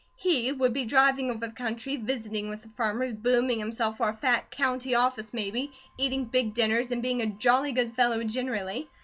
He would be driving over the country, visiting with the farmers, booming himself for a fat county office maybe, eating big dinners, and being a jolly good fellow generally.